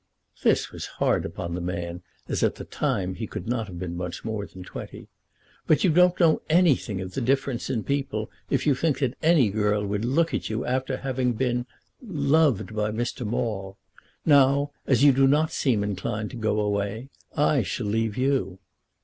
This was hard upon the man, as at that time he could not have been much more than twenty. "But you don't know anything of the difference in people if you think that any girl would look at you, after having been loved by Mr. Maule. Now, as you do not seem inclined to go away, I shall leave you."